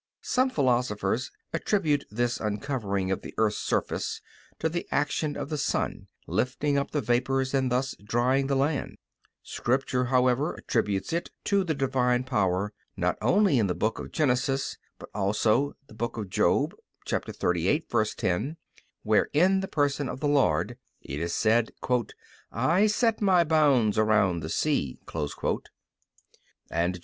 Some philosophers attribute this uncovering of the earth's surface to the action of the sun lifting up the vapors and thus drying the land. Scripture, however, attributes it to the Divine power, not only in the Book of Genesis, but also Job 38:10 where in the person of the Lord it is said, "I set My bounds around the sea," and Jer.